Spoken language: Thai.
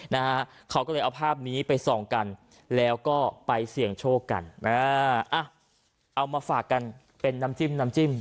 นะฮะเขาก็เลยเอาภาพนี้ไปส่องกันแล้วก็ไปเสี่ยงโชคกันอ่าอ่ะเอามาฝากกันเป็นน้ำจิ้มน้ำจิ้ม